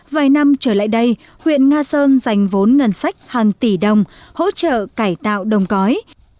vài năm trở lại đây huyện nga sơn dành vốn ngân sách hàng tỷ đồng hỗ trợ cải tạo đồng cõi